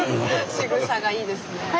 しぐさがいいですね。